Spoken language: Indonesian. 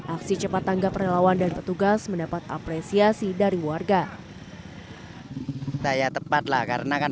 aksi cepat tanggap relawan dan petugas mendapat apresiasi dari warga saya tepatlah karena kan